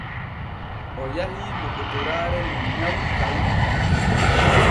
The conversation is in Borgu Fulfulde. O yahii lokotoraare no nyaw tawi mo.